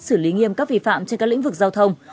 xử lý nghiêm các vi phạm trên các lĩnh vực giao thông